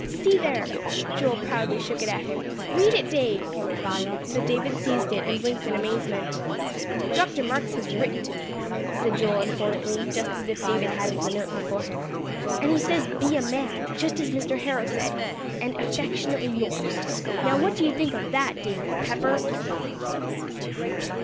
"See there!" Joel proudly shook it at him. "Read it, Dave." So David seized it, and blinked in amazement. "Dr. Marks has written to me," said Joel importantly, just as if David hadn't the note before him. "And he says, 'Be a man,' just as Mr. Harrow said, and, 'affectionately yours.' Now, what do you think of that, Dave Pepper?"